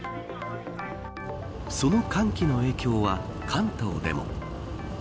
その寒気の影響は関東でも。